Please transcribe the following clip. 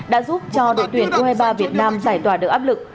đã giúp cho đội tuyển u hai mươi ba việt nam giải tỏa được áp lực